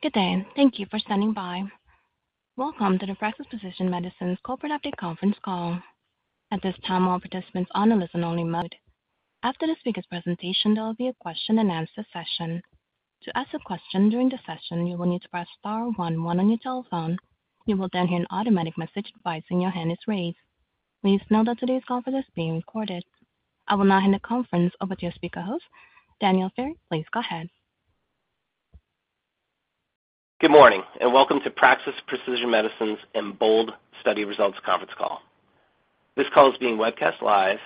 Good day. Thank you for standing by. Welcome to the Praxis Precision Medicines Corporate Update Conference Call. At this time, all participants are on a listen-only mode. After the speaker's presentation, there will be a question and answer session. To ask a question during the session, you will need to press star one one on your telephone. You will then hear an automatic message advising your hand is raised. Please note that today's call is being recorded. I will now hand the conference over to your speaker host, Daniel Ferry. Please go ahead. Good morning, and welcome to Praxis Precision Medicines' EMBOLD Study Results conference call. This call is being webcast live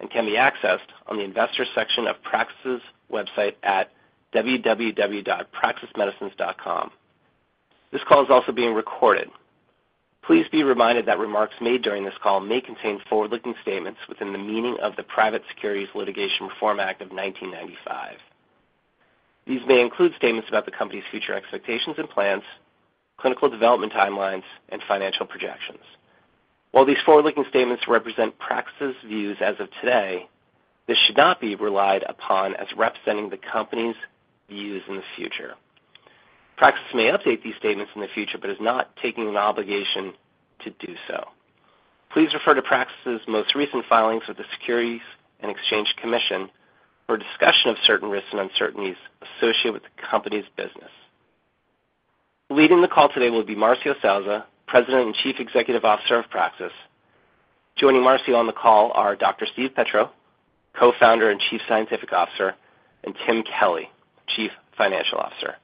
and can be accessed on the investor section of Praxis website at www.praxismedicines.com. This call is also being recorded. Please be reminded that remarks made during this call may contain forward-looking statements within the meaning of the Private Securities Litigation Reform Act of 1995. These may include statements about the company's future expectations and plans, clinical development timelines, and financial projections. While these forward-looking statements represent Praxis views as of today, this should not be relied upon as representing the company's views in the future. Praxis may update these statements in the future, but is not taking an obligation to do so. Please refer to Praxis' most recent filings with the Securities and Exchange Commission for a discussion of certain risks and uncertainties associated with the company's business. Leading the call today will be Marcio Souza, President and Chief Executive Officer of Praxis. Joining Marcio on the call are Dr. Steven Petrou, Co-founder and Chief Scientific Officer, and Tim Kelly, Chief Financial Officer.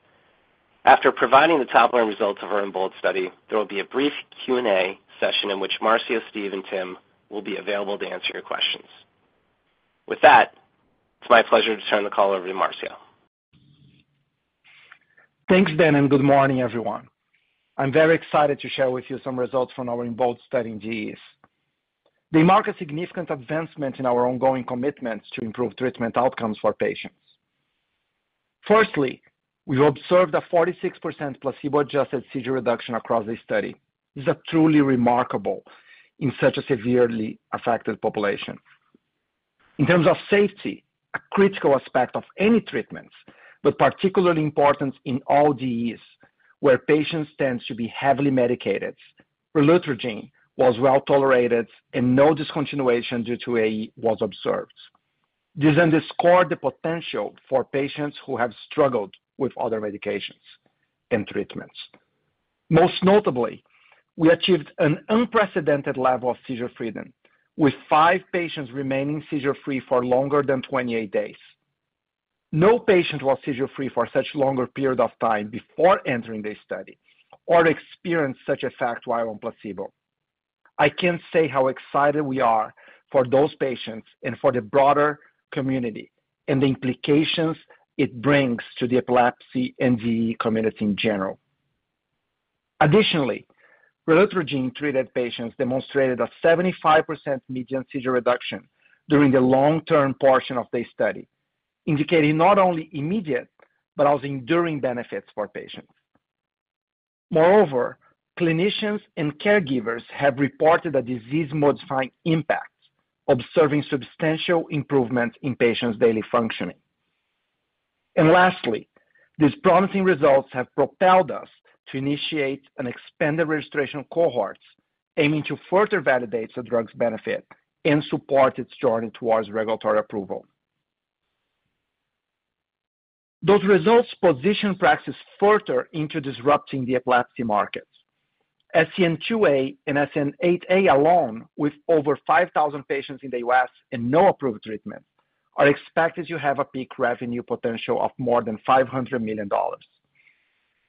After providing the top-line results of our EMBOLD study, there will be a brief Q&A session in which Marcio, Steven, and Tim will be available to answer your questions. With that, it's my pleasure to turn the call over to Marcio. Thanks, Dan, and good morning, everyone. I'm very excited to share with you some results from our EMBOLD study in DEEs. They mark a significant advancement in our ongoing commitments to improve treatment outcomes for patients. Firstly, we observed a 46% placebo-adjusted seizure reduction across this study. This is truly remarkable in such a severely affected population. In terms of safety, a critical aspect of any treatments, but particularly important in all DEEs, where patients tend to be heavily medicated, relutrigine was well tolerated and no discontinuation due to AE was observed. This underscore the potential for patients who have struggled with other medications and treatments. Most notably, we achieved an unprecedented level of seizure freedom, with five patients remaining seizure-free for longer than 28 days. No patient was seizure-free for such longer period of time before entering this study or experienced such effect while on placebo. I can't say how excited we are for those patients and for the broader community, and the implications it brings to the epilepsy and DEE community in general. Additionally, relutrigine-treated patients demonstrated a 75% median seizure reduction during the long-term portion of the study, indicating not only immediate but also enduring benefits for patients. Moreover, clinicians and caregivers have reported a disease-modifying impact, observing substantial improvement in patients' daily functioning. And lastly, these promising results have propelled us to initiate and expand the registration cohorts, aiming to further validate the drug's benefit and support its journey towards regulatory approval. Those results position Praxis further into disrupting the epilepsy markets. SCN2A and SCN8A alone, with over 5,000 patients in the U.S. and no approved treatment, are expected to have a peak revenue potential of more than $500 million.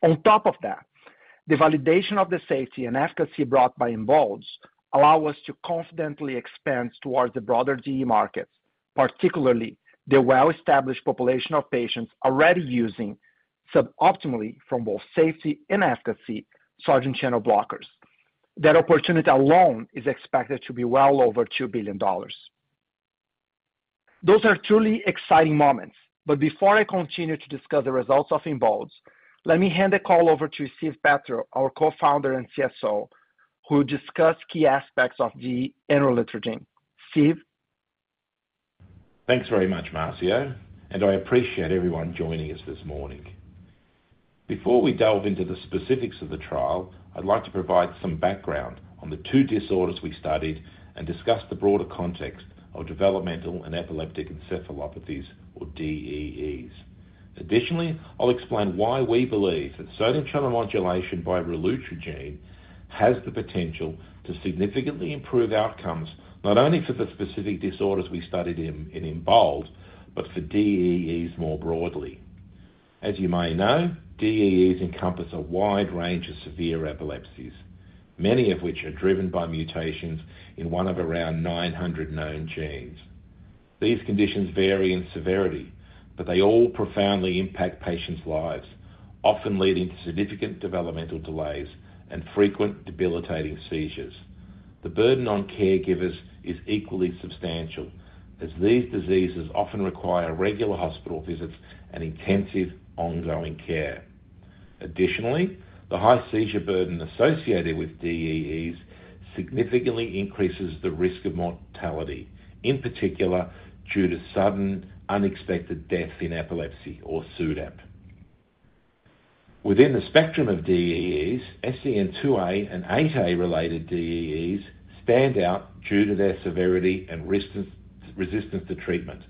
On top of that, the validation of the safety and efficacy brought by EMBOLD allows us to confidently expand towards the broader DEE markets, particularly the well-established population of patients already using suboptimally from both safety and efficacy, sodium channel blockers. That opportunity alone is expected to be well over $2 billion. Those are truly exciting moments, but before I continue to discuss the results of EMBOLD, let me hand the call over to Steven Petrou, our co-founder and CSO, who will discuss key aspects of the Relutrigine. Steve? Thanks very much, Marcio, and I appreciate everyone joining us this morning. Before we delve into the specifics of the trial, I'd like to provide some background on the two disorders we studied and discuss the broader context of developmental and epileptic encephalopathies, or DEEs. Additionally, I'll explain why we believe that sodium channel modulation by relutrigine has the potential to significantly improve outcomes, not only for the specific disorders we studied in EMBOLD, but for DEEs more broadly. As you may know, DEEs encompass a wide range of severe epilepsies, many of which are driven by mutations in one of around nine hundred known genes. These conditions vary in severity, but they all profoundly impact patients' lives, often leading to significant developmental delays and frequent debilitating seizures. The burden on caregivers is equally substantial, as these diseases often require regular hospital visits and intensive, ongoing care. Additionally, the high seizure burden associated with DEEs significantly increases the risk of mortality, in particular, due to sudden unexpected death in epilepsy or SUDEP. Within the spectrum of DEEs, SCN2A and SCN8A related DEEs stand out due to their severity and resistance to treatment.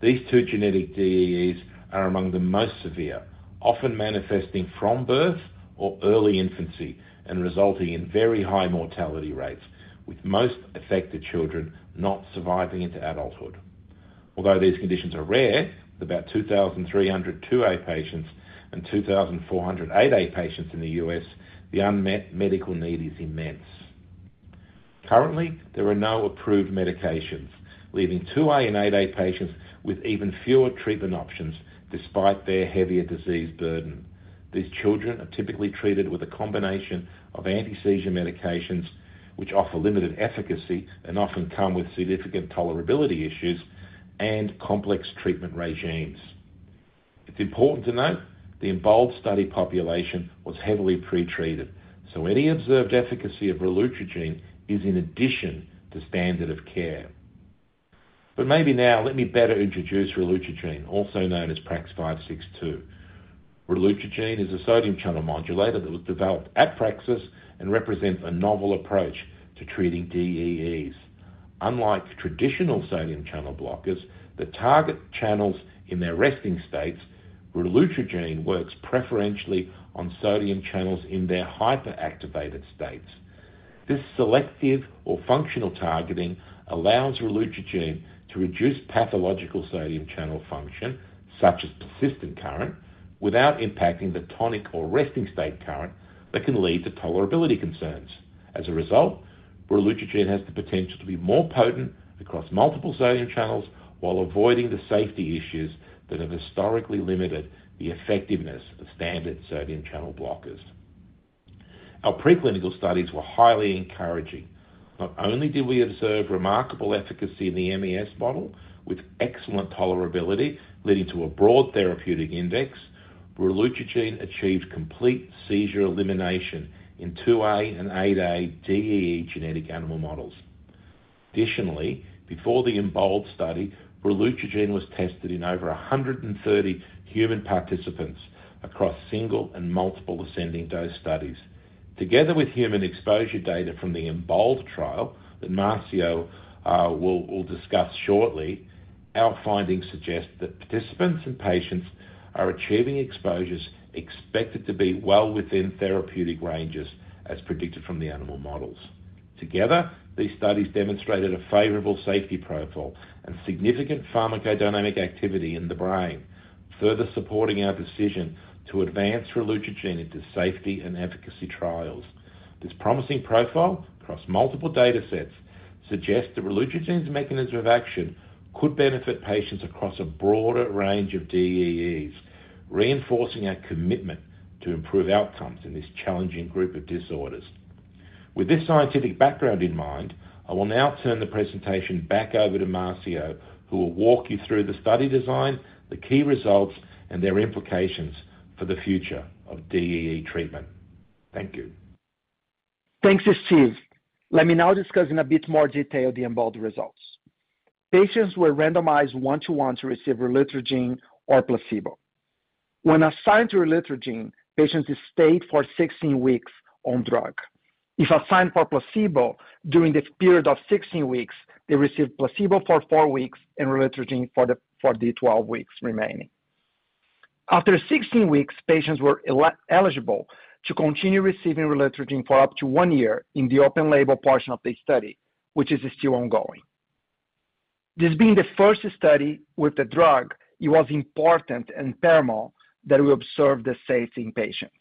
These two genetic DEEs are among the most severe, often manifesting from birth or early infancy and resulting in very high mortality rates, with most affected children not surviving into adulthood. Although these conditions are rare, about two thousand three hundred SCN2A patients and two thousand four hundred SCN8A patients in the U.S., the unmet medical need is immense. Currently, there are no approved medications, leaving SCN2A and SCN8A patients with even fewer treatment options despite their heavier disease burden. These children are typically treated with a combination of anti-seizure medications, which offer limited efficacy and often come with significant tolerability issues and complex treatment regimens. It's important to note, the EMBOLD study population was heavily pretreated, so any observed efficacy of relutrigine is in addition to standard of care, but maybe now, let me better introduce relutrigine, also known as PRAX-562. Relutrigine is a sodium channel modulator that was developed at Praxis and represents a novel approach to treating DEEs. Unlike traditional sodium channel blockers, the target channels in their resting states, relutrigine works preferentially on sodium channels in their hyperactivated states. This selective or functional targeting allows relutrigine to reduce pathological sodium channel function, such as persistent current, without impacting the tonic or resting state current that can lead to tolerability concerns. As a result, relutrigine has the potential to be more potent across multiple sodium channels while avoiding the safety issues that have historically limited the effectiveness of standard sodium channel blockers. Our preclinical studies were highly encouraging. Not only did we observe remarkable efficacy in the MES model, with excellent tolerability leading to a broad therapeutic index, relutrigine achieved complete seizure elimination in 2A and 8A DEE genetic animal models. Additionally, before the EMBOLD study, relutrigine was tested in over a hundred and thirty human participants across single and multiple ascending dose studies. Together with human exposure data from the EMBOLD trial, that Marcio will discuss shortly, our findings suggest that participants and patients are achieving exposures expected to be well within therapeutic ranges, as predicted from the animal models. Together, these studies demonstrated a favorable safety profile and significant pharmacodynamic activity in the brain, further supporting our decision to advance relutrigine into safety and efficacy trials. This promising profile across multiple datasets suggests that relutrigine's mechanism of action could benefit patients across a broader range of DEEs, reinforcing our commitment to improve outcomes in this challenging group of disorders. With this scientific background in mind, I will now turn the presentation back over to Marcio, who will walk you through the study design, the key results, and their implications for the future of DEE treatment. Thank you. Thanks, Steve. Let me now discuss in a bit more detail the EMBOLD results. Patients were randomized one-to-one to receive relutrigine or placebo. When assigned to relutrigine, patients stayed for sixteen weeks on drug. If assigned for placebo, during this period of sixteen weeks, they received placebo for four weeks and relutrigine for the twelve weeks remaining. After sixteen weeks, patients were eligible to continue receiving relutrigine for up to one year in the open label portion of the study, which is still ongoing. This being the first study with the drug, it was important and paramount that we observe the safety in patients.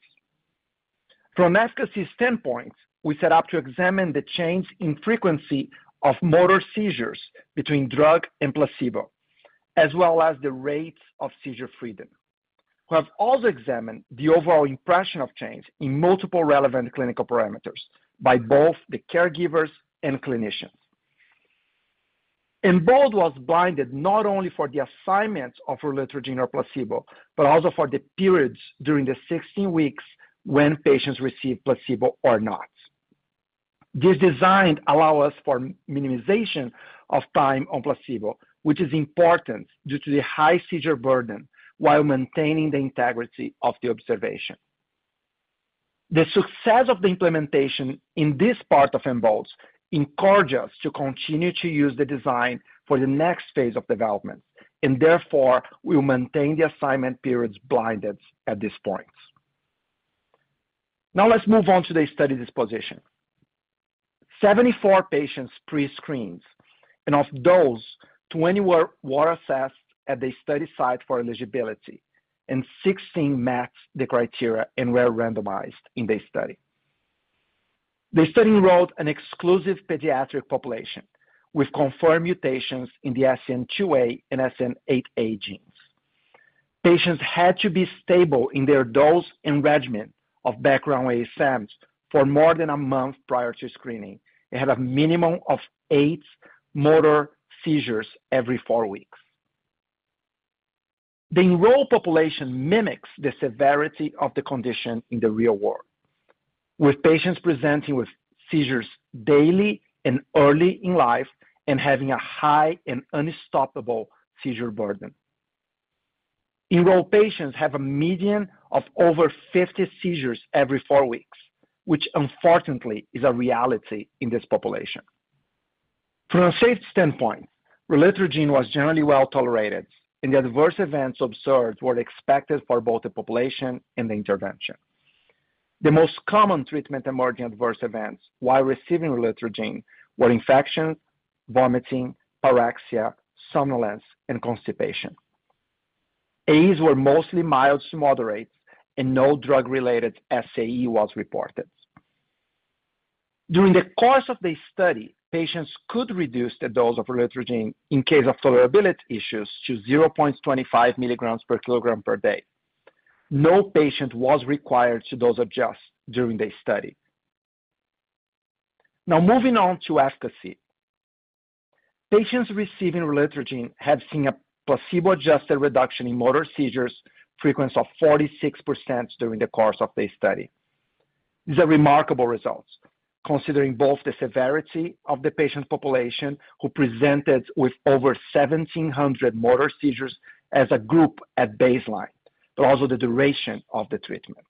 From efficacy standpoint, we set out to examine the change in frequency of motor seizures between drug and placebo, as well as the rates of seizure freedom. We have also examined the overall impression of change in multiple relevant clinical parameters by both the caregivers and clinicians. EMBOLD was blinded not only for the assignments of relutrigine or placebo, but also for the periods during the 16 weeks when patients received placebo or not. This design allow us for minimization of time on placebo, which is important due to the high seizure burden, while maintaining the integrity of the observation. The success of the implementation in this part of EMBOLD encouraged us to continue to use the design for the next phase of development, and therefore we will maintain the assignment periods blinded at this point. Now let's move on to the study disposition. 74 patients pre-screened, and of those, 20 were assessed at the study site for eligibility, and 16 matched the criteria and were randomized in the study. The study enrolled an exclusive pediatric population with confirmed mutations in the SCN2A and SCN8A genes. Patients had to be stable in their dose and regimen of background ASMs for more than a month prior to screening, and had a minimum of eight motor seizures every four weeks. The enrolled population mimics the severity of the condition in the real world... with patients presenting with seizures daily and early in life and having a high and unstoppable seizure burden. Enrolled patients have a median of over fifty seizures every four weeks, which unfortunately is a reality in this population. From a safety standpoint, Relutrigine was generally well tolerated, and the adverse events observed were expected for both the population and the intervention. The most common treatment-emergent adverse events while receiving Relutrigine were infection, vomiting, paresthesia, somnolence, and constipation. AEs were mostly mild to moderate, and no drug-related SAE was reported. During the course of the study, patients could reduce the dose of Relutrigine in case of tolerability issues to 0.25 milligrams per kilogram per day. No patient was required to dose adjust during the study. Now, moving on to efficacy. Patients receiving Relutrigine have seen a placebo-adjusted reduction in motor seizures frequency of 46% during the course of the study. These are remarkable results, considering both the severity of the patient population, who presented with over 1,700 motor seizures as a group at baseline, but also the duration of the treatment.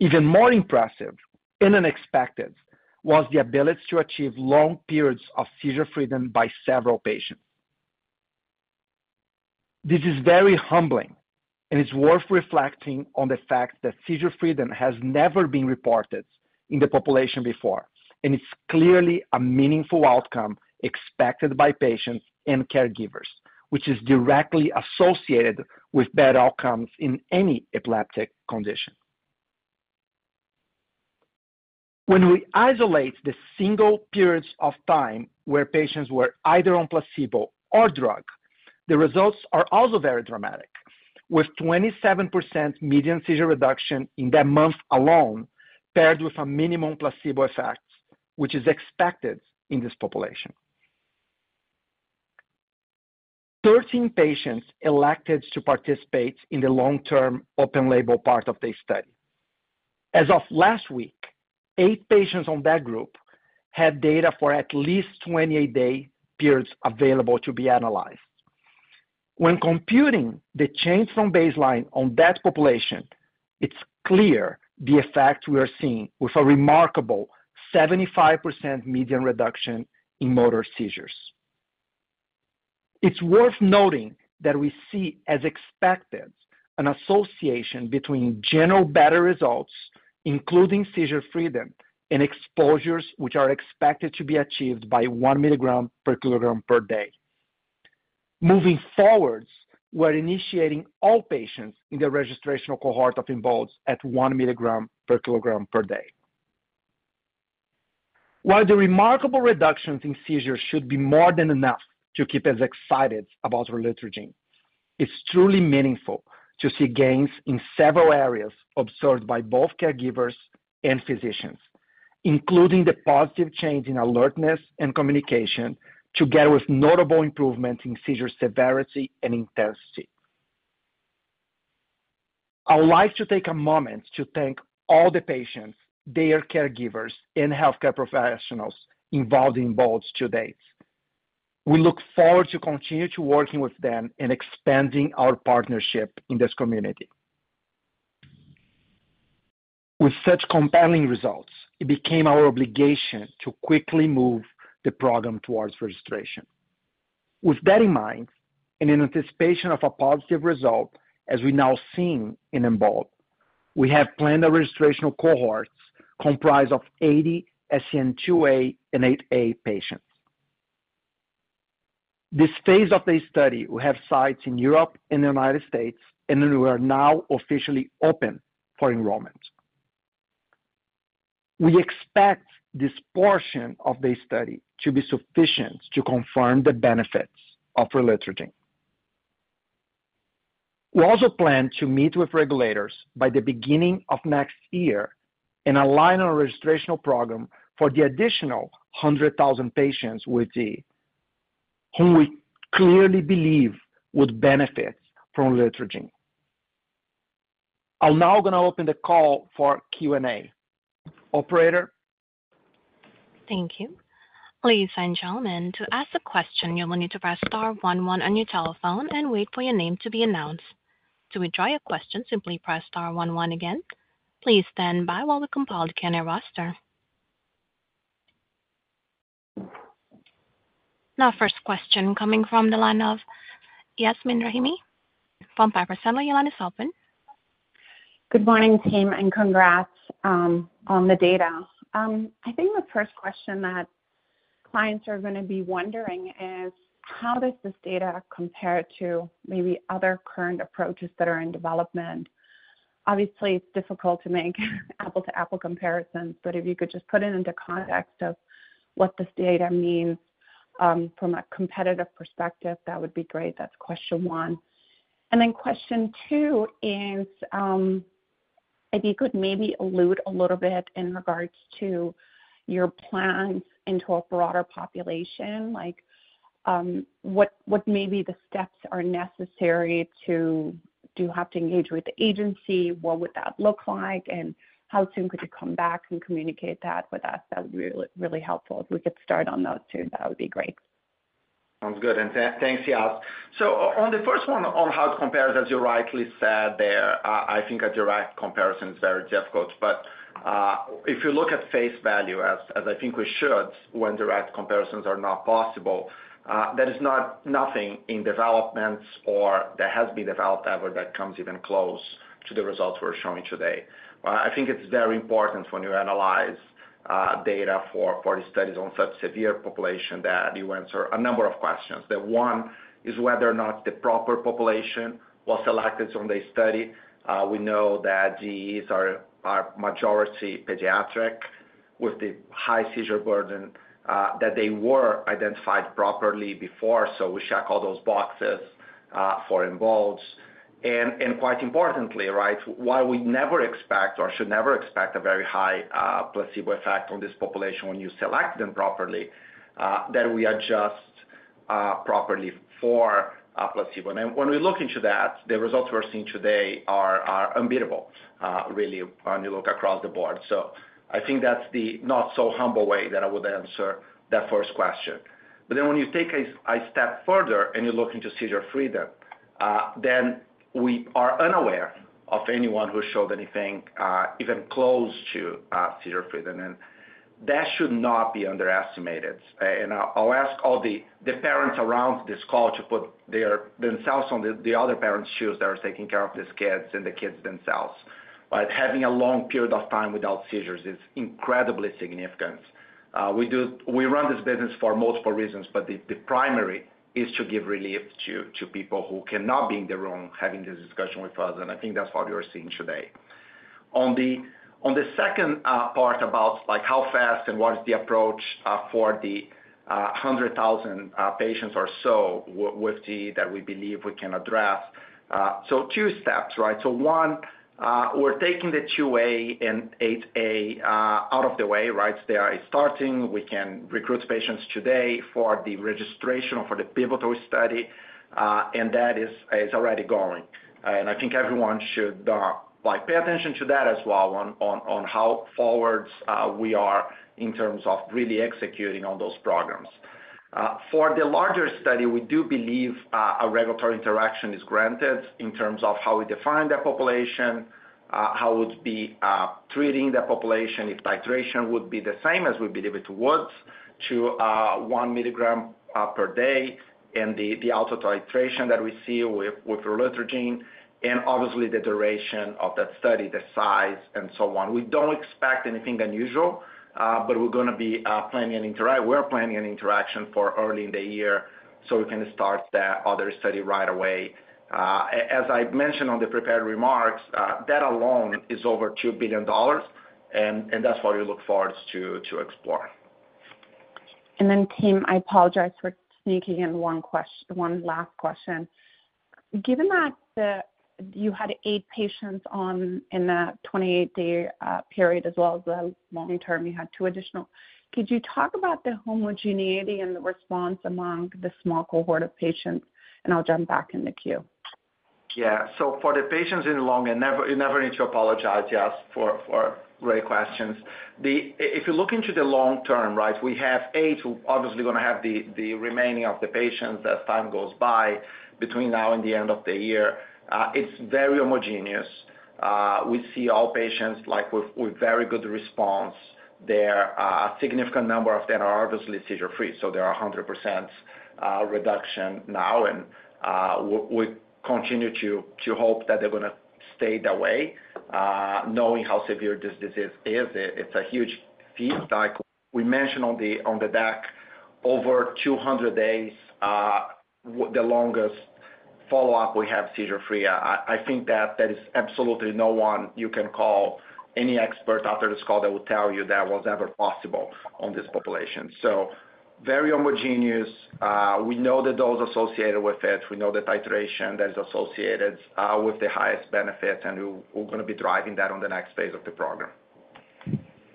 Even more impressive and unexpected was the ability to achieve long periods of seizure freedom by several patients. This is very humbling, and it's worth reflecting on the fact that seizure freedom has never been reported in the population before, and it's clearly a meaningful outcome expected by patients and caregivers, which is directly associated with better outcomes in any epileptic condition. When we isolate the single periods of time where patients were either on placebo or drug, the results are also very dramatic, with 27% median seizure reduction in that month alone, paired with a minimum placebo effect, which is expected in this population. 13 patients elected to participate in the long-term open label part of the study. As of last week, eight patients on that group had data for at least 28-day periods available to be analyzed. When computing the change from baseline on that population, it's clear the effect we are seeing, with a remarkable 75% median reduction in motor seizures. It's worth noting that we see, as expected, an association between general better results, including seizure freedom and exposures, which are expected to be achieved by one milligram per kilogram per day. Moving forward, we're initiating all patients in the registrational cohort of EMBOLD at one milligram per kilogram per day. While the remarkable reductions in seizures should be more than enough to keep us excited about Relutrigine, it's truly meaningful to see gains in several areas observed by both caregivers and physicians, including the positive change in alertness and communication, together with notable improvement in seizure severity and intensity. I would like to take a moment to thank all the patients, their caregivers, and healthcare professionals involved in EMBOLD to date. We look forward to continue to working with them and expanding our partnership in this community. With such compelling results, it became our obligation to quickly move the program towards registration. With that in mind, and in anticipation of a positive result, as we've now seen in EMBOLD, we have planned our registrational cohorts comprised of 80 SCN2A and SCN8A patients. This phase of the study will have sites in Europe and the United States, and we are now officially open for enrollment. We expect this portion of the study to be sufficient to confirm the benefits of Relutrigine. We also plan to meet with regulators by the beginning of next year and align on a registrational program for the additional 100,000 patients with the, whom we clearly believe would benefit from Relutrigine. I'll now gonna open the call for Q&A. Operator? Thank you. Ladies and gentlemen, to ask a question, you will need to press star one one on your telephone and wait for your name to be announced. To withdraw your question, simply press star one one again. Please stand by while we compile the Q&A roster. Now, first question coming from the line of Yasmeen Rahimi from Piper Sandler. Your line is open. Good morning, team, and congrats on the data. I think the first question that clients are gonna be wondering is, how does this data compare to maybe other current approaches that are in development? Obviously, it's difficult to make apple-to-apple comparisons, but if you could just put it into context of what this data means from a competitive perspective, that would be great. That's question one. And then question two is, if you could maybe allude a little bit in regards to your plans into a broader population, like, what, what maybe the steps are necessary to do you have to engage with the agency? What would that look like? And how soon could you come back and communicate that with us? That would be really, really helpful. If we could start on those two, that would be great. Sounds good. And thanks, Yas. So on the first one, on how it compares, as you rightly said there, I think a direct comparison is very difficult. But, if you look at face value, as I think we should, when direct comparisons are not possible, there is not nothing in developments or that has been developed ever that comes even close to the results we're showing today. I think it's very important when you analyze data for the studies on such severe population, that you answer a number of questions. That one is whether or not the proper population was selected on the study. We know that DEEs are majority pediatric, with the high seizure burden, that they were identified properly before, so we check all those boxes for EMBOLD. Quite importantly, right, while we never expect or should never expect a very high placebo effect on this population when you select them properly, then we adjust properly for a placebo. And then when we look into that, the results we're seeing today are unbeatable, really, when you look across the board. So I think that's the not so humble way that I would answer that first question. But then when you take a step further and you look into seizure freedom, then we are unaware of anyone who showed anything even close to seizure freedom, and that should not be underestimated. I'll ask all the parents around this call to put themselves in the other parents' shoes that are taking care of these kids and the kids themselves. But having a long period of time without seizures is incredibly significant. We run this business for multiple reasons, but the primary is to give relief to people who cannot be in the room having this discussion with us, and I think that's what we are seeing today. On the second part about, like, how fast and what is the approach for the 100,000 patients or so with DEE that we believe we can address. So two steps, right? So one, we're taking the 2A and 8A out of the way, right? They are starting. We can recruit patients today for the registration or for the pivotal study, and that is already going. I think everyone should like pay attention to that as well, on how far forward we are in terms of really executing on those programs. For the larger study, we do believe a regulatory interaction is granted in terms of how we define the population, how we would be treating the population, if titration would be the same as we believe it would, to one milligram per day, and the auto titration that we see with relutrigine, and obviously, the duration of that study, the size, and so on. We don't expect anything unusual, but we're planning an interaction for early in the year, so we can start that other study right away. As I mentioned on the prepared remarks, that alone is over $2 billion, and that's what we look forward to explore. And then Tim, I apologize for sneaking in one last question. Given that, you had eight patients on in that 28-day period, as well as the long-term, you had two additional, could you talk about the homogeneity and the response among the small cohort of patients? And I'll jump back in the queue. Yeah. So for the patients in the long term, you never need to apologize, Yas, for great questions. If you look into the long term, right, we have eight, obviously gonna have the remaining of the patients as time goes by, between now and the end of the year. It's very homogeneous. We see all patients like with very good response. There are a significant number of them are obviously seizure-free, so they are 100% reduction now. And we continue to hope that they're gonna stay that way, knowing how severe this disease is. It's a huge feat, like we mentioned on the back, over 200 days, the longest follow-up we have seizure-free. I think that there is absolutely no one you can call, any expert after this call, that will tell you that was ever possible on this population, so very homogeneous. We know the dose associated with it. We know the titration that is associated with the highest benefit, and we're gonna be driving that on the next phase of the program.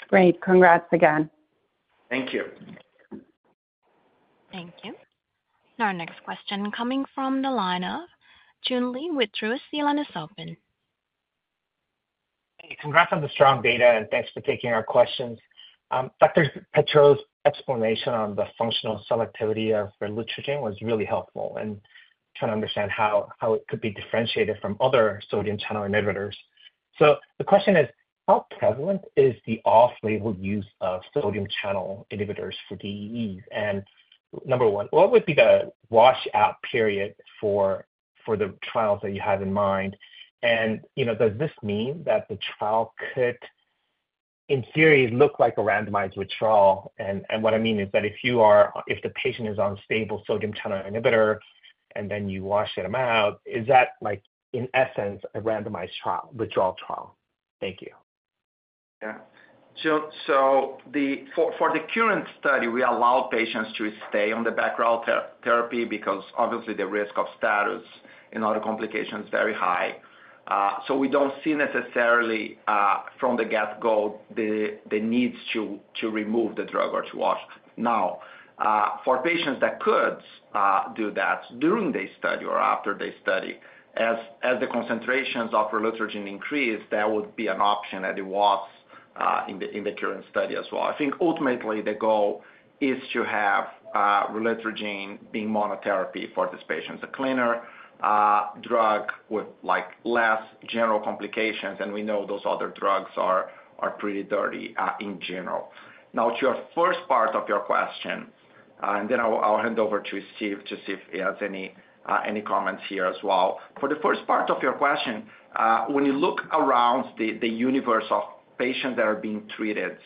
Great. Congrats again. Thank you. Thank you. Our next question coming from the line of Joon Lee with Truist. The line is open. Hey, congrats on the strong data, and thanks for taking our questions. Dr. Petrou's explanation on the functional selectivity of relutrigine was really helpful, and trying to understand how it could be differentiated from other sodium channel inhibitors. So the question is: How prevalent is the off-label use of sodium channel inhibitors for DEEs? And number one, what would be the washout period for the trials that you have in mind? And, you know, does this mean that the trial could, in theory, look like a randomized withdrawal? And what I mean is that if you are-- if the patient is on stable sodium channel inhibitor, and then you wash them out, is that, like, in essence, a randomized trial, withdrawal trial? Thank you. Yeah. So the for the current study, we allow patients to stay on the background therapy, because obviously the risk of status and other complications is very high. So we don't see necessarily from the get-go the need to remove the drug or to wash. Now, for patients that could do that during the study or after the study, as the concentrations of relutrigine increase, that would be an option, and it was in the current study as well. I think ultimately the goal is to have relutrigine being monotherapy for these patients. A cleaner drug with, like, less general complications, and we know those other drugs are pretty dirty in general. Now, to your first part of your question, and then I'll hand over to Steve to see if he has any comments here as well. For the first part of your question, when you look around the universe of patients that are being treated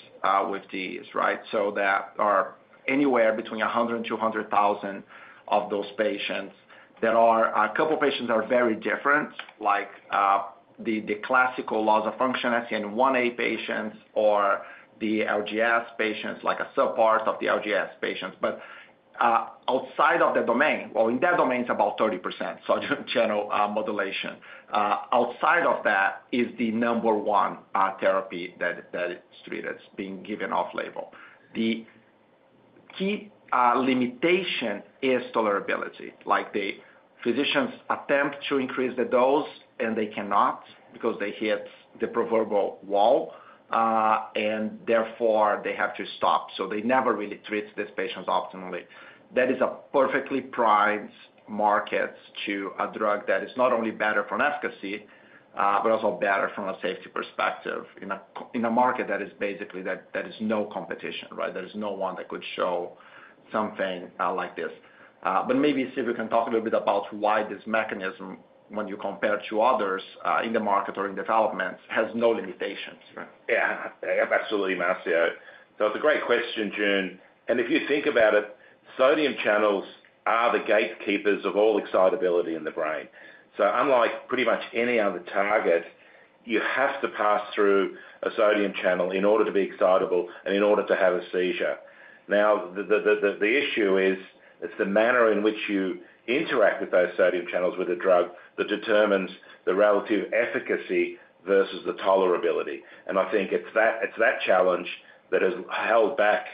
with these, right? So there are anywhere between a hundred and two hundred thousand of those patients. There are a couple of patients are very different, like the classical loss-of-function SCN1A patients or the LGS patients, like a subpart of the LGS patients. But outside of the domain, well, in that domain, it's about 30%, so general modulation. Outside of that is the number one therapy that is treated, being given off-label. The key limitation is tolerability. Like, the physicians attempt to increase the dose, and they cannot because they hit the proverbial wall, and therefore they have to stop. So they never really treat these patients optimally. That is a perfectly prized market to a drug that is not only better for efficacy, but also better from a safety perspective in a market that is basically that there is no competition, right? There is no one that could show something like this. But maybe, Steve, you can talk a little bit about why this mechanism, when you compare to others, in the market or in development, has no limitations, right? Yeah, absolutely, Marcio. So it's a great question, Joon, and if you think about it, sodium channels are the gatekeepers of all excitability in the brain. So unlike pretty much any other target, you have to pass through a sodium channel in order to be excitable and in order to have a seizure. Now, the issue is, it's the manner in which you interact with those sodium channels with a drug that determines the relative efficacy versus the tolerability. And I think it's that challenge that has held back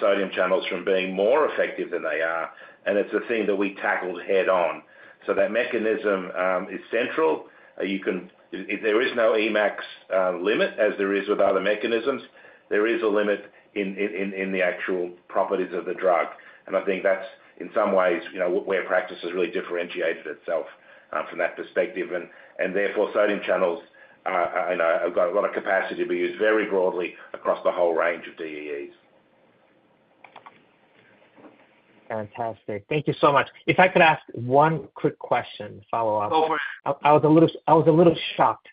sodium channels from being more effective than they are, and it's a thing that we tackled head-on. So that mechanism is central. If there is no Emax limit, as there is with other mechanisms, there is a limit in the actual properties of the drug. I think that's, in some ways, you know, where Praxis has really differentiated itself from that perspective. And therefore, sodium channels, you know, have got a lot of capacity to be used very broadly across the whole range of DEEs. Fantastic. Thank you so much. If I could ask one quick question, follow-up. No worries. I was a little shocked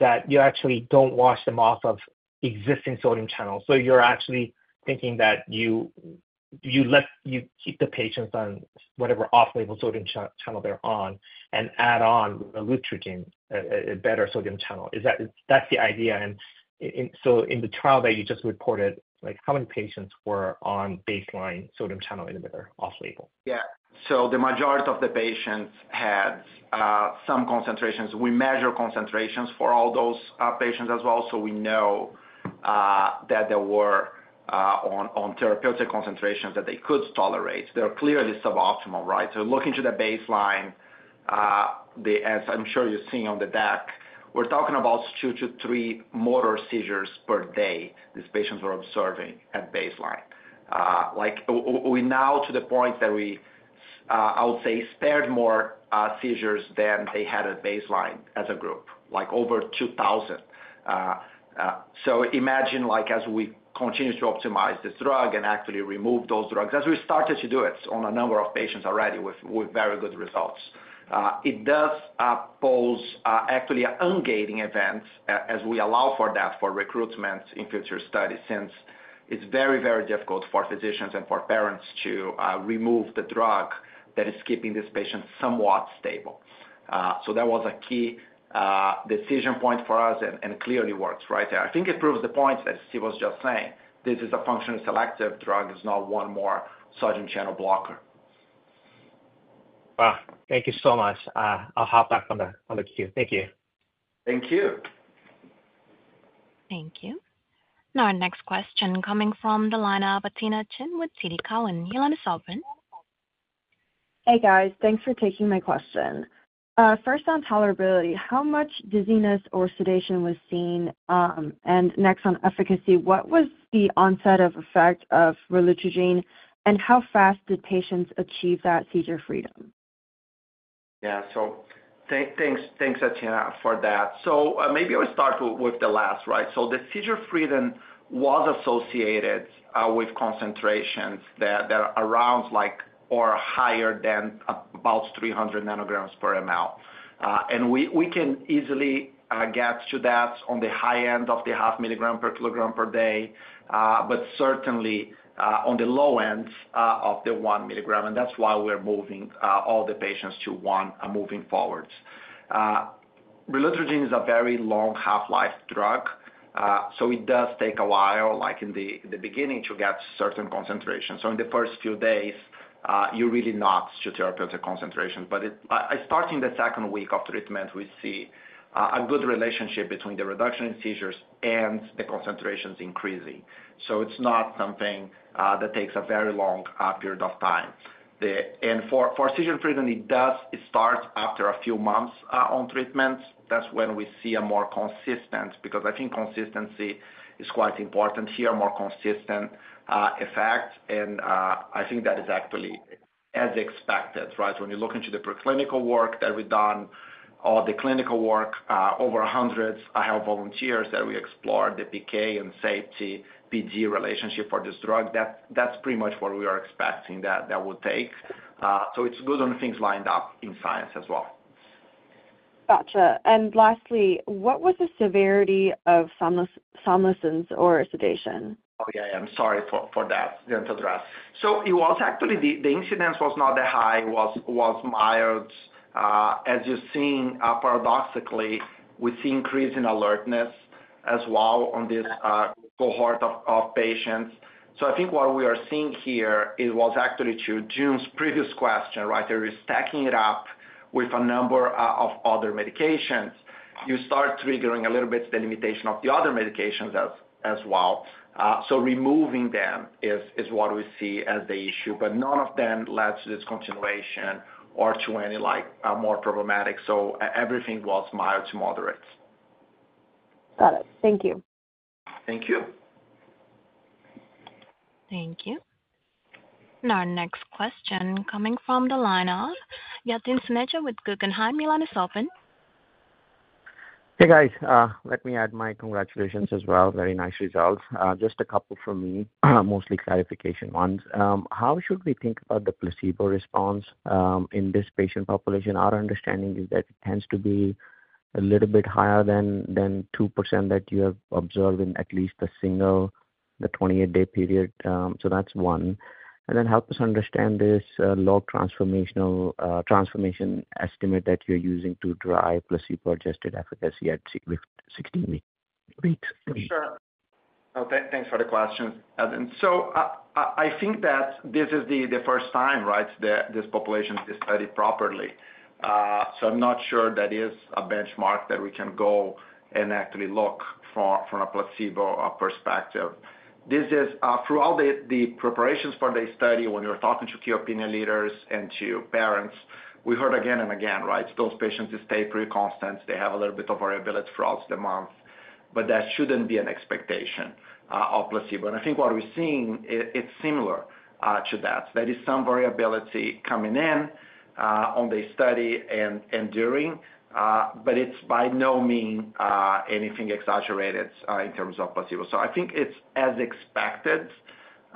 that you actually don't wash them off of existing sodium channels. So you're actually thinking that you let you keep the patients on whatever off-label sodium channel they're on and add on relutrigine, a better sodium channel. Is that that's the idea, and so in the trial that you just reported, like, how many patients were on baseline sodium channel inhibitor, off-label? Yeah. So the majority of the patients had some concentrations. We measure concentrations for all those patients as well, so we know that they were on therapeutic concentrations that they could tolerate. They are clearly suboptimal, right? So looking to the baseline, as I'm sure you're seeing on the deck, we're talking about two to three motor seizures per day these patients were observing at baseline. Like, we're now to the point that, I would say, we spared more seizures than they had at baseline as a group, like over two thousand. So imagine, like, as we continue to optimize this drug and actually remove those drugs, as we started to do it on a number of patients already with very good results. It does pose actually a ungating event as we allow for that for recruitment in future studies, since it's very, very difficult for physicians and for parents to remove the drug that is keeping this patient somewhat stable. So that was a key decision point for us and clearly works right there. I think it proves the point that Steve was just saying, this is a function of selective drug. It's not one more sodium channel blocker. Wow! Thank you so much. I'll hop back on the queue. Thank you. Thank you. Thank you. Now, our next question coming from the line of Athena Chin with TD Cowen. Your line is open. Hey, guys. Thanks for taking my question. First, on tolerability, how much dizziness or sedation was seen? And next, on efficacy, what was the onset of effect of relutrigine, and how fast did patients achieve that seizure freedom? Yeah. So thanks, Athena, for that. So maybe I'll start with the last, right? So the seizure freedom was associated with concentrations that are around like, or higher than about three hundred nanograms per ML. And we can easily get to that on the high end of the half milligram per kilogram per day, but certainly on the low end of the one milligram, and that's why we're moving all the patients to one moving forward. Relutrigine is a very long half-life drug, so it does take a while, like in the beginning, to get certain concentrations. So in the first few days you're really not to therapeutic concentration. But starting the second week of treatment, we see a good relationship between the reduction in seizures and the concentrations increasing. So it's not something that takes a very long period of time. And for seizure freedom, it does. It starts after a few months on treatment. That's when we see a more consistent effect, because I think consistency is quite important here. And I think that is actually as expected, right? So when you look into the preclinical work that we've done, all the clinical work over hundreds of healthy volunteers that we explore the efficacy and safety, PK/PD relationship for this drug, that's pretty much what we are expecting that would take. So it's good when things lined up in science as well. Gotcha. And lastly, what was the severity of somnolence or sedation? Okay, I am sorry for that, didn't address. So it was actually the incidence was not that high, was mild. As you're seeing, paradoxically, we see increase in alertness as well on this cohort of patients. So I think what we are seeing here, it was actually to Joon's previous question, right? There is stacking it up with a number of other medications. You start triggering a little bit the limitation of the other medications as well. So removing them is what we see as the issue, but none of them led to discontinuation or to any, like, more problematic. So everything was mild to moderate. Got it. Thank you. Thank you. Thank you. And our next question coming from the line of Yatin Suneja with Guggenheim. Your line is open. Hey, guys, let me add my congratulations as well. Very nice results. Just a couple from me, mostly clarification ones. How should we think about the placebo response in this patient population? Our understanding is that it tends to be a little bit higher than 2% that you have observed in at least the single 28-day period. So that's one. And then help us understand this log transformation estimate that you're using to drive placebo-adjusted efficacy at 16 weeks. Sure. Okay, thanks for the question, Yatin. So, I think that this is the first time, right, that this population is studied properly. So I'm not sure that is a benchmark that we can go and actually look for from a placebo perspective. This is throughout the preparations for the study, when we were talking to key opinion leaders and to parents, we heard again and again, right? Those patients stay pretty constant. They have a little bit of variability throughout the month, but that shouldn't be an expectation of placebo. And I think what we're seeing it, it's similar to that. There is some variability coming in on the study and during, but it's by no means anything exaggerated in terms of placebo. So I think it's as expected.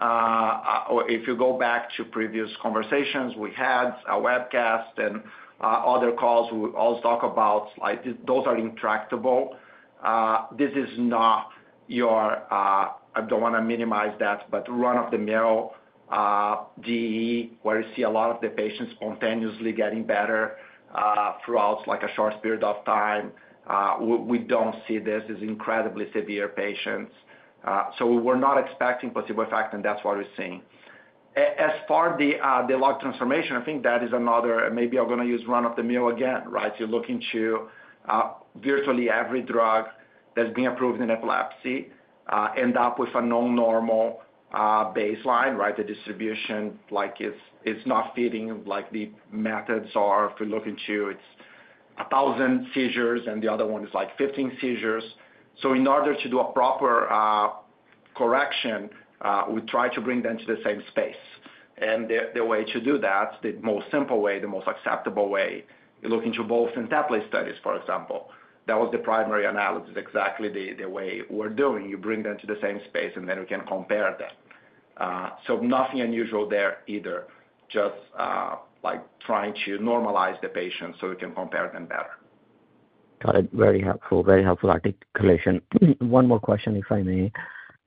or if you go back to previous conversations, we had a webcast and, other calls, we would also talk about, like, those are intractable. This is not your, I don't want to minimize that, but run-of-the-mill, DE, where you see a lot of the patients spontaneously getting better, throughout, like, a short period of time. We don't see this as incredibly severe patients, so we were not expecting placebo effect, and that's what we're seeing. As far as the log transformation, I think that is another, maybe I'm going to use run-of-the-mill again, right? You're looking to, virtually every drug that's being approved in epilepsy, end up with a non-normal, baseline, right? The distribution, like, it's not fitting, like, the methods are. If you look into, it's a thousand seizures, and the other one is, like, fifteen seizures. So in order to do a proper correction, we try to bring them to the same space. And the way to do that, the most simple way, the most acceptable way, you look into both Sympazan studies, for example. That was the primary analysis, exactly the way we're doing. You bring them to the same space, and then we can compare them. So nothing unusual there either, just, like, trying to normalize the patient so we can compare them better. Got it. Very helpful, very helpful articulation. One more question, if I may.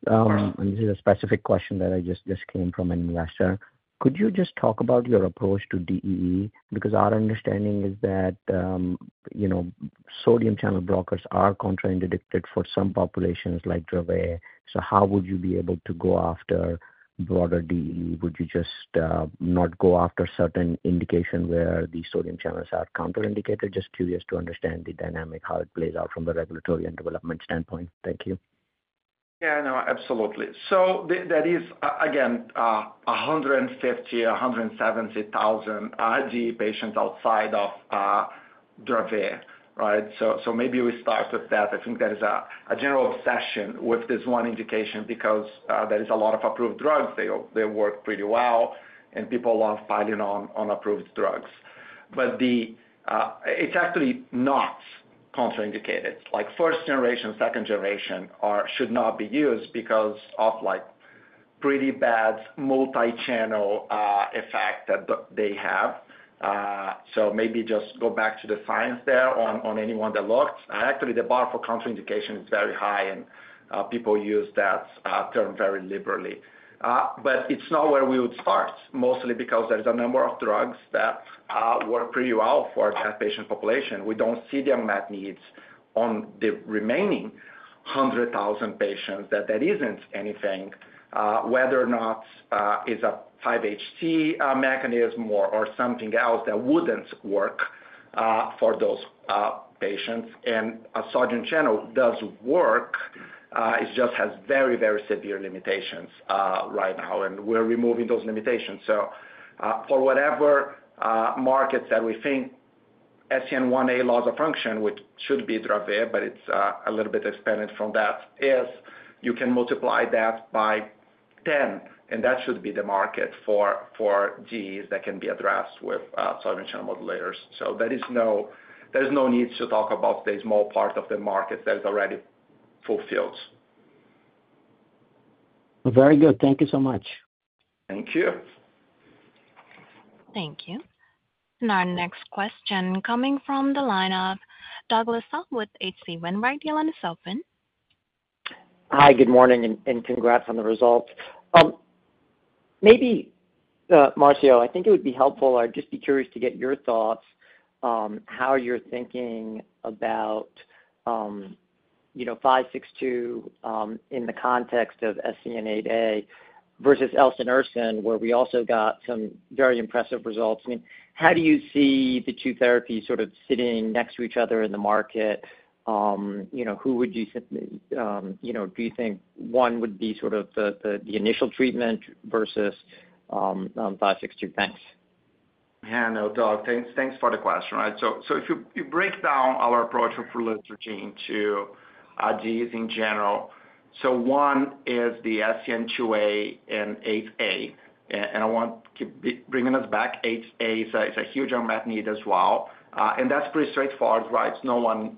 Sure. And this is a specific question that I just came from an investor. Could you just talk about your approach to DEE? Because our understanding is that, you know, sodium channel blockers are contraindicated for some populations like Dravet. So how would you be able to go after broader DEE? Would you just not go after certain indication where the sodium channels are contraindicated? Just curious to understand the dynamic, how it plays out from a regulatory and development standpoint. Thank you. Yeah, I know, absolutely. So that is again 150-170 thousand IG patients outside of Dravet, right? So maybe we start with that. I think there is a general obsession with this one indication because there is a lot of approved drugs. They work pretty well, and people love filing on approved drugs. But it's actually not contraindicated. Like, first generation, second generation should not be used because of pretty bad multi-channel effect that they have. So maybe just go back to the science there on anyone that looks. Actually, the bar for contraindication is very high, and people use that term very liberally. But it's not where we would start, mostly because there's a number of drugs that work pretty well for that patient population. We don't see the unmet needs on the remaining hundred thousand patients that isn't anything, whether or not is a 5-HT mechanism or something else that wouldn't work for those patients. And a sodium channel does work, it just has very, very severe limitations right now, and we're removing those limitations. So, for whatever markets that we think SCN1A loss of function, which should be Dravet, but it's a little bit expanded from that, is you can multiply that by ten, and that should be the market for GE that can be addressed with sodium channel modulators. So there's no need to talk about the small part of the market that is already fulfilled. Very good. Thank you so much. Thank you. Thank you. And our next question coming from the line of Douglas Tsao with H.C. Wainwright. Your line is open. Hi, good morning, and congrats on the results. Maybe, Marcio, I think it would be helpful or just be curious to get your thoughts on how you're thinking about, you know, 562, in the context of SCN8A versus PRAX-22, where we also got some very impressive results. I mean, how do you see the two therapies sort of sitting next to each other in the market? You know, who would you, you know, do you think one would be sort of the initial treatment versus 562? Thanks. Yeah, no, Doug, thanks for the question. So if you break down our approach for Relutrigine to DEEs in general. So one is the SCN2A and SCN8A, and I want to be bringing us back, SCN8A is a huge unmet need as well, and that's pretty straightforward, right? No one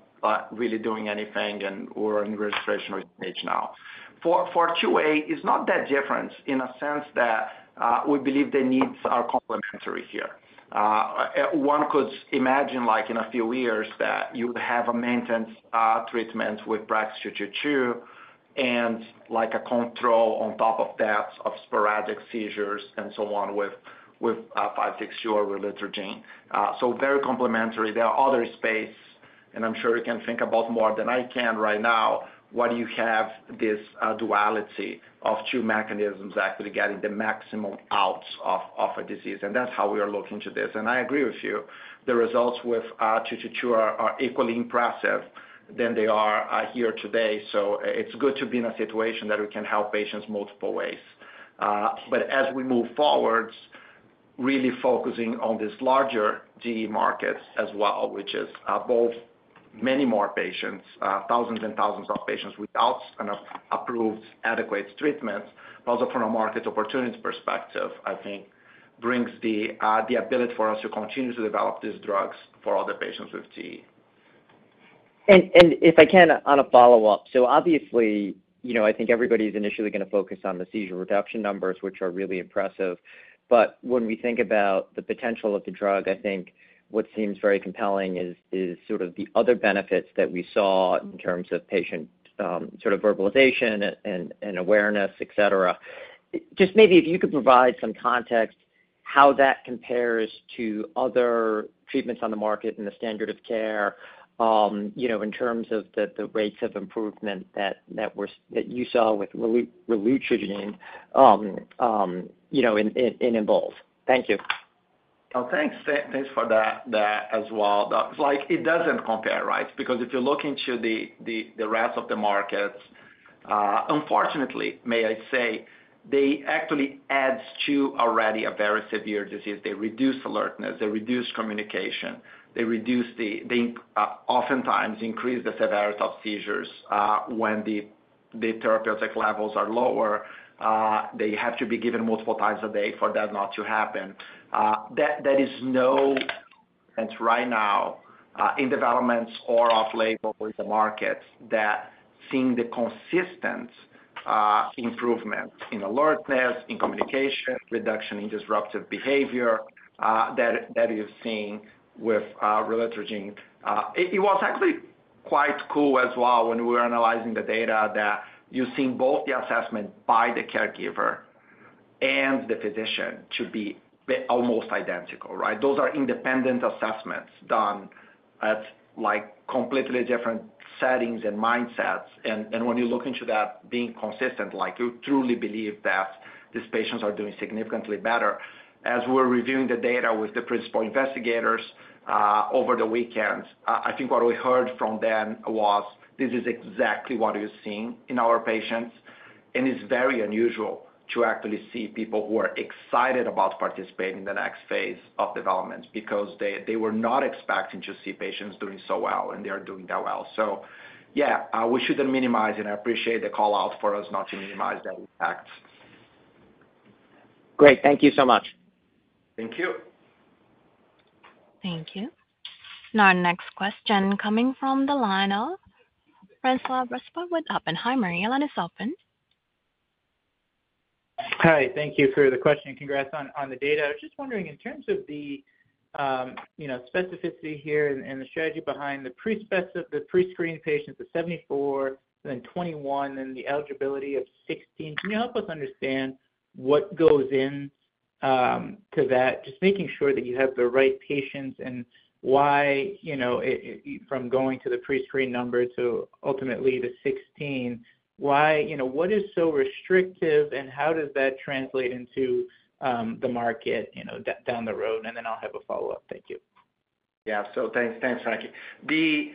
really doing anything, and we're in registration stage now. For two A, it's not that different in a sense that we believe the needs are complementary here. One could imagine, like in a few years, that you would have a maintenance treatment with PRAX-222, and like a control on top of that of sporadic seizures and so on with 562 or Relutrigine. So very complementary. There are other spaces, and I'm sure you can think about more than I can right now, where you have this duality of two mechanisms actually getting the maximum out of a disease, and that's how we are looking to this. And I agree with you, the results with 222 are equally impressive than they are here today. So it's good to be in a situation that we can help patients multiple ways. But as we move forward, really focusing on this larger GE markets as well, which is both many more patients, thousands and thousands of patients without an approved, adequate treatment. But also from a market opportunity perspective, I think brings the ability for us to continue to develop these drugs for other patients with GE. If I can, on a follow-up: So obviously, you know, I think everybody's initially gonna focus on the seizure reduction numbers, which are really impressive. But when we think about the potential of the drug, I think what seems very compelling is sort of the other benefits that we saw in terms of patient sort of verbalization and awareness, et cetera. Just maybe if you could provide some context how that compares to other treatments on the market and the standard of care, you know, in terms of the rates of improvement that you saw with relutrigine, you know, in EMBOLD. Thank you. Oh, thanks. Thanks for that as well. But like, it doesn't compare, right? Because if you look into the rest of the markets, unfortunately, may I say, they actually adds to already a very severe disease. They reduce alertness, they reduce communication, they oftentimes increase the severity of seizures when the therapeutic levels are lower. They have to be given multiple times a day for that not to happen. There is no. And right now, in developments or off label in the market, that seeing the consistent improvement in alertness, in communication, reduction in disruptive behavior that you're seeing with relutrigine. It was actually quite cool as well when we were analyzing the data, that you're seeing both the assessment by the caregiver and the physician to be almost identical, right? Those are independent assessments done at, like, completely different settings and mindsets, and when you look into that being consistent, like, you truly believe that these patients are doing significantly better. As we're reviewing the data with the principal investigators, over the weekend, I think what we heard from them was: This is exactly what we're seeing in our patients, and it's very unusual to actually see people who are excited about participating in the next phase of development, because they were not expecting to see patients doing so well, and they are doing that well. So yeah, we shouldn't minimize, and I appreciate the call out for us not to minimize that impact. Great. Thank you so much. Thank you. Thank you. Our next question coming from the line of François Brisebois with Oppenheimer. Your line is open. Hi, thank you for the question, and congrats on the data. I was just wondering, in terms of the you know, specificity here and the strategy behind the pre-screening patients, the 74, and then 21, and the eligibility of 16. Can you help us understand what goes into that, just making sure that you have the right patients and why, you know, from going to the prescreen number to ultimately the 16, why, you know, what is so restrictive, and how does that translate into the market, you know, down the road? And then I'll have a follow-up. Thank you. Yeah. So thanks, thanks, François.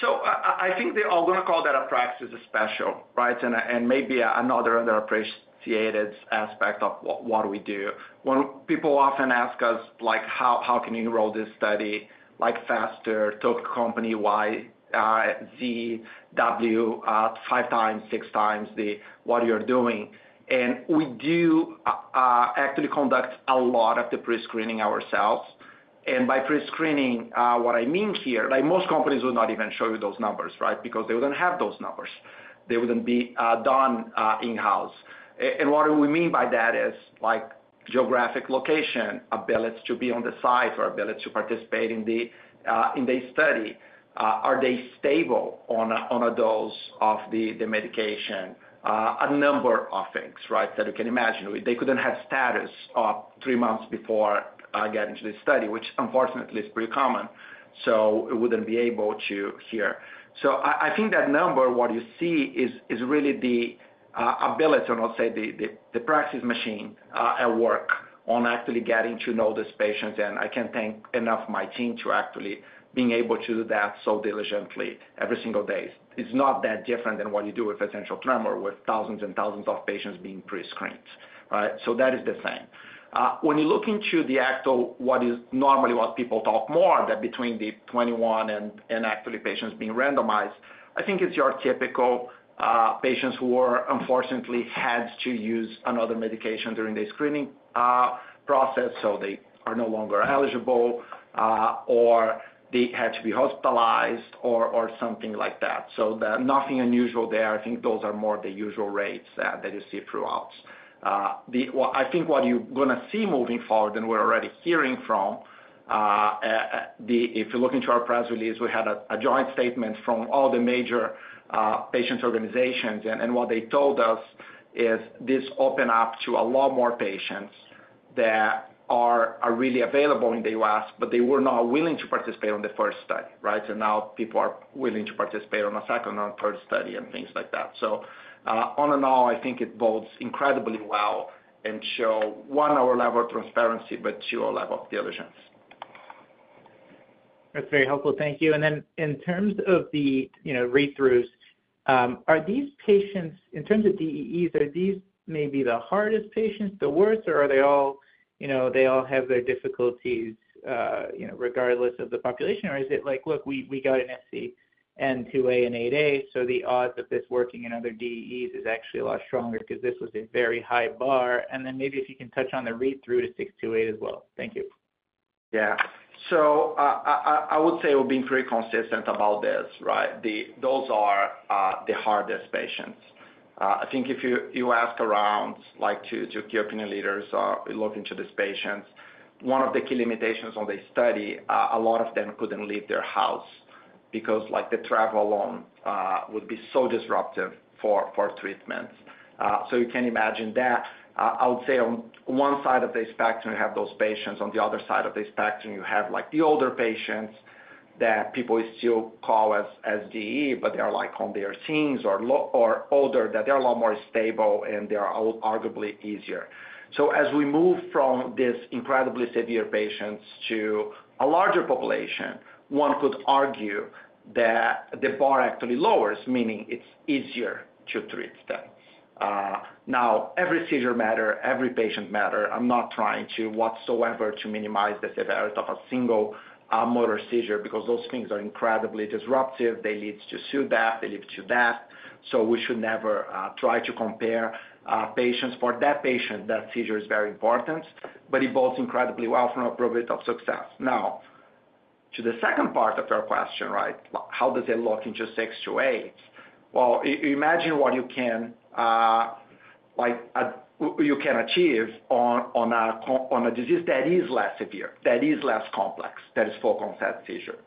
So I think they all going to call that a Praxis special, right? And maybe another underappreciated aspect of what we do. When people often ask us, like, how can you enroll this study, like, faster than company Y, Z, W, five times, six times what you're doing. And we do actually conduct a lot of the prescreening ourselves. And by prescreening, what I mean here, like, most companies will not even show you those numbers, right? Because they wouldn't have those numbers. They wouldn't be done in-house. And what do we mean by that is, like, geographic location, ability to be on the site or ability to participate in the study. Are they stable on a dose of the medication? A number of things, right, that you can imagine. They couldn't have status three months before getting to the study, which unfortunately is pretty common, so it wouldn't be able to hear. So I think that number, what you see is really the ability to not say the Praxis machine at work on actually getting to know these patients, and I can't thank enough my team to actually being able to do that so diligently every single day. It's not that different than what you do with essential tremor, with thousands and thousands of patients being prescreened, right? So that is the same. When you look into the actual, normally what people talk more about, that between the 21 and actually patients being randomized, I think it's your typical, patients who are unfortunately had to use another medication during the screening process, so they are no longer eligible, or they had to be hospitalized or something like that. So nothing unusual there. I think those are more the usual rates, that you see throughout. I think what you're going to see moving forward, and we're already hearing from. If you look into our press release, we had a joint statement from all the major patients organizations, and what they told us is this open up to a lot more patients that are really available in the US, but they were not willing to participate on the first study, right? So now people are willing to participate on a second and third study and things like that. So all in all, I think it bodes incredibly well and show, one, our level of transparency, but two, our level of diligence. That's very helpful. Thank you. And then in terms of the, you know, read-throughs, are these patients, in terms of DEEs, are these maybe the hardest patients, the worst, or are they all, you know, they all have their difficulties, you know, regardless of the population? Or is it like, look, we, we got an SCN2A and SCN8A, so the odds of this working in other DEEs is actually a lot stronger because this was a very high bar. And then maybe if you can touch on the read-through to PRAX-628 as well. Thank you. Yeah. So, I would say we've been pretty consistent about this, right? Those are the hardest patients. I think if you ask around, like, to key opinion leaders, look into these patients, one of the key limitations on the study, a lot of them couldn't leave their house because, like, the travel alone would be so disruptive for treatments. So you can imagine that. I would say on one side of the spectrum, you have those patients. On the other side of the spectrum, you have, like, the older patients that people still call them DEEs, but they are, like, on their teens or older, that they are a lot more stable, and they are arguably easier. So as we move from these incredibly severe patients to a larger population, one could argue that the bar actually lowers, meaning it's easier to treat them. Now, every seizure matters, every patient matters. I'm not trying whatsoever to minimize the severity of a single motor seizure, because those things are incredibly disruptive. They lead to SUDEP, they lead to death. So we should never try to compare patients. For that patient, that seizure is very important, but it bodes incredibly well from our probability of success. Now, to the second part of your question, right? How does it look into 628? Well, imagine what you can achieve on a disease that is less severe, that is less complex, that is focal onset seizure.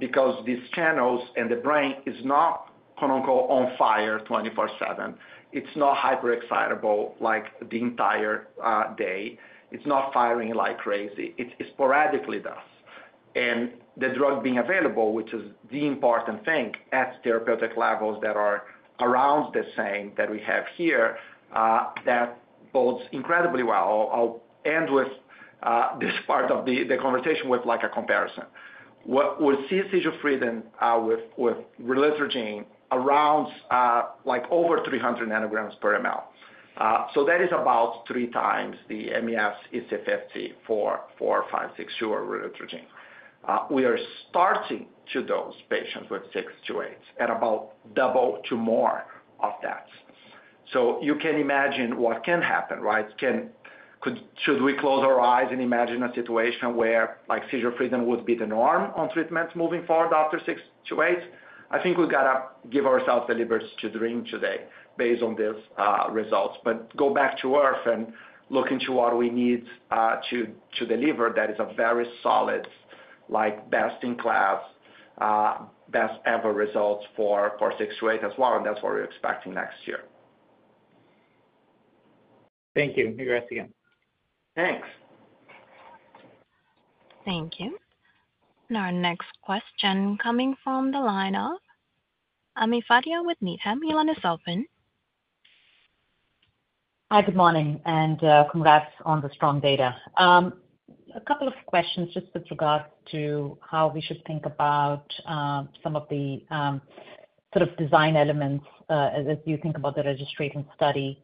Because these channels in the brain is not quote-unquote "on fire" 24/7. It's not hyper excitable like the entire day. It's not firing like crazy. It sporadically does. And the drug being available, which is the important thing, at therapeutic levels that are around the same that we have here, that bodes incredibly well. I'll end with this part of the conversation with like a comparison. With seizure freedom with relutrigine around like over 300 nanograms per mL. So that is about three times the MES's EC50 for 562 or relutrigine. We are starting to dose patients with 628 at about double to more of that. So you can imagine what can happen, right? Should we close our eyes and imagine a situation where, like, seizure freedom would be the norm on treatments moving forward after 628? I think we've got to give ourselves the liberty to dream today based on these results, but go back to earth and look into what we need to deliver. That is a very solid like best in class, best ever results for 628 as well, and that's what we're expecting next year. Thank you. Congrats again. Thanks. Thank you. And our next question coming from the line of Ami Fadia with Needham. Your line is open. Hi, good morning, and congrats on the strong data. A couple of questions just with regards to how we should think about some of the sort of design elements as you think about the registration study.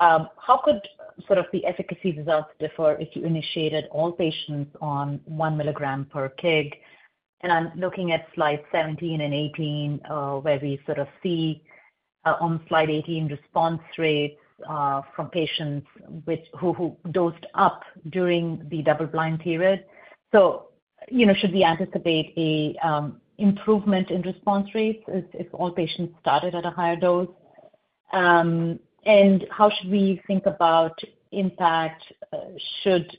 How could sort of the efficacy results differ if you initiated all patients on one milligram per kg? And I'm looking at slide 17 and 18, where we sort of see on slide 18, response rates from patients who dosed up during the double blind period. So, you know, should we anticipate a improvement in response rates if all patients started at a higher dose? And how should we think about impact should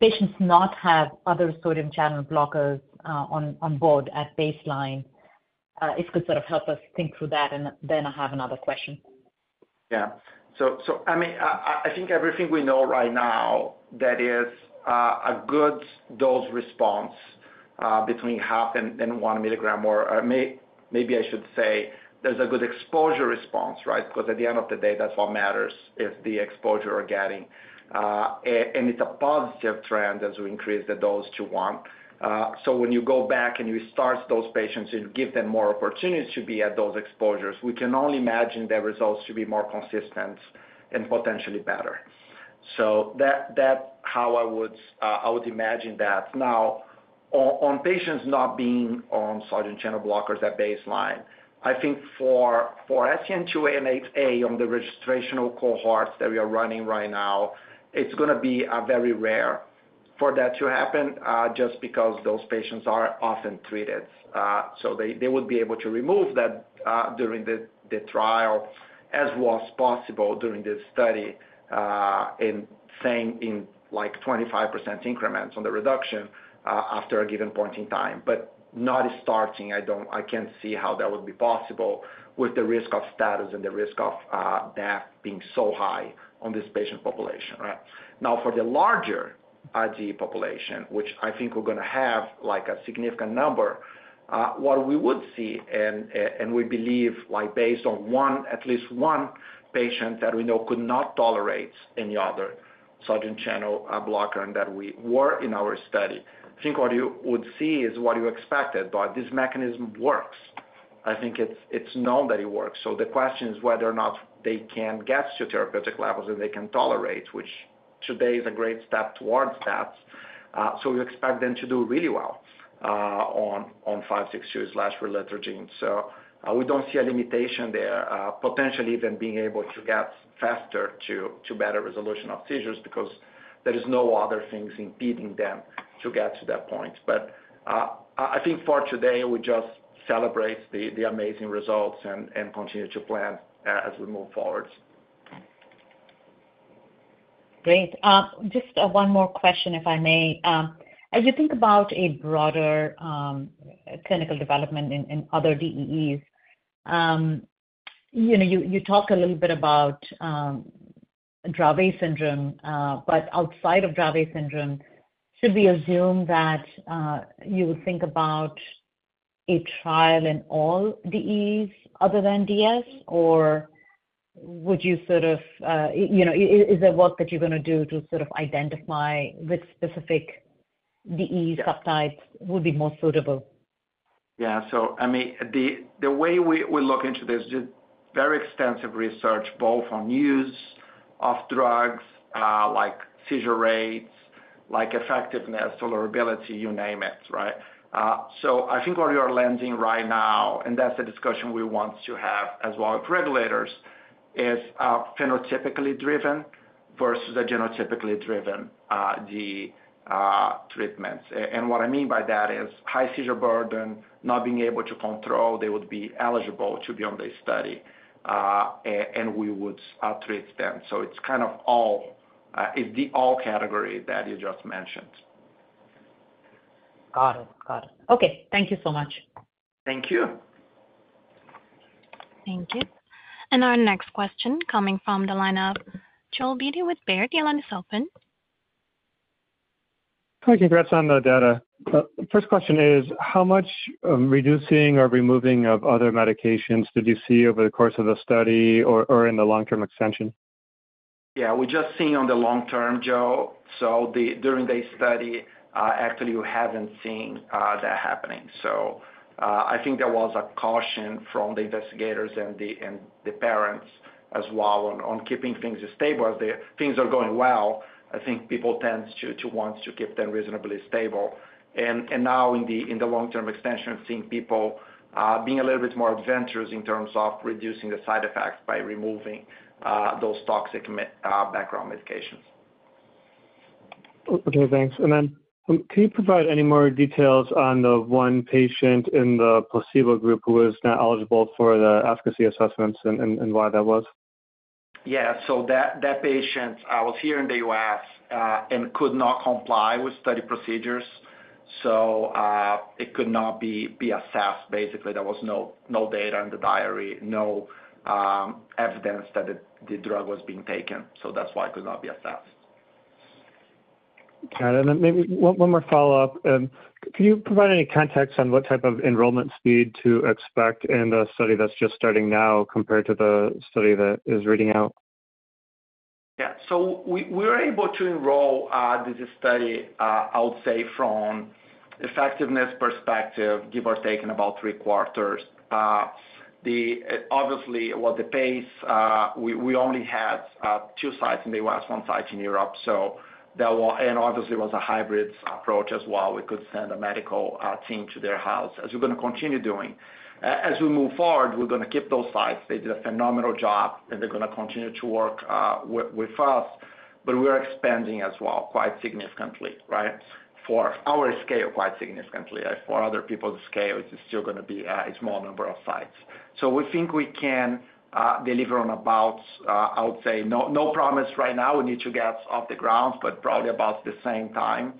patients not have other sodium channel blockers on board at baseline? If you could sort of help us think through that, and then I have another question. Yeah. So, I mean, I think everything we know right now, that is, a good dose response between half and one milligram, or maybe I should say there's a good exposure response, right? Because at the end of the day, that's what matters, if the exposure we're getting. And it's a positive trend as we increase the dose to one. So when you go back and you start those patients and give them more opportunities to be at those exposures, we can only imagine the results to be more consistent and potentially better. So that's how I would imagine that. Now, on patients not being on sodium channel blockers at baseline, I think for SCN2A and SCN8A, on the registrational cohorts that we are running right now, it's gonna be very rare for that to happen, just because those patients are often treated. So they would be able to remove that during the trial, as was possible during this study, like 25% increments on the reduction after a given point in time, but not starting. I can't see how that would be possible with the risk of status and the risk of death being so high on this patient population, right? Now, for the larger IG population, which I think we're gonna have, like, a significant number, what we would see, and, and we believe, like, based on one, at least one patient that we know could not tolerate any other sodium channel blocker, and that we were in our study, I think what you would see is what you expected, but this mechanism works. I think it's, it's known that it works. So the question is whether or not they can get to therapeutic levels or they can tolerate, which today is a great step towards that. So we expect them to do really well, on 562 slash relutrigine. So, we don't see a limitation there, potentially even being able to get faster to better resolution of seizures because there is no other things impeding them to get to that point. But, I think for today, we just celebrate the amazing results and continue to plan as we move forward. Great. Just one more question, if I may. As you think about a broader clinical development in other DEEs, you know, you talked a little bit about Dravet syndrome, but outside of Dravet syndrome, should we assume that you would think about a trial in all DEEs other than DS? Or would you sort of, you know, is the work that you're gonna do to identify which specific DEE subtypes would be more suitable? Yeah. So I mean, the way we look into this, just very extensive research, both on use of drugs, like seizure rates, like effectiveness, tolerability, you name it, right? So I think where we are landing right now, and that's a discussion we want to have as well with regulators, is phenotypically driven versus the genotypically driven treatments. And what I mean by that is, high seizure burden, not being able to control, they would be eligible to be on the study, and we would treat them. So it's kind of all, it's the all category that you just mentioned. Got it. Got it. Okay, thank you so much. Thank you. Thank you, and our next question coming from the line of Joel Beatty with Baird. Your line is open. Hi, congrats on the data. First question is, how much reducing or removing of other medications did you see over the course of the study or in the long-term extension? Yeah, we're just seeing on the long term, Joel. So during the study, actually, we haven't seen that happening. So I think there was a caution from the investigators and the parents as well on keeping things stable. As the things are going well, I think people tends to want to keep them reasonably stable. And now in the long-term extension, seeing people being a little bit more adventurous in terms of reducing the side effects by removing those toxic meds, background medications. Okay, thanks. And then, can you provide any more details on the one patient in the placebo group who is not eligible for the efficacy assessments and why that was? Yeah, so that patient was here in the US and could not comply with study procedures, so it could not be assessed. Basically, there was no data in the diary, no evidence that the drug was being taken, so that's why it could not be assessed. Got it. And then maybe one more follow-up. Can you provide any context on what type of enrollment speed to expect in the study that's just starting now compared to the study that is reading out? Yeah. So we were able to enroll this study. I would say from effectiveness perspective, give or take, in about three quarters. Obviously, with the pace, we only had two sites in the US, one site in Europe, so there was a hybrid approach as well. We could send a medical team to their house, as we're gonna continue doing. As we move forward, we're gonna keep those sites. They did a phenomenal job, and they're gonna continue to work with us, but we are expanding as well, quite significantly, right? For our scale, quite significantly. For other people's scale, it's still gonna be a small number of sites. So we think we can deliver on about. I would say no promise right now. We need to get off the ground, but probably about the same time,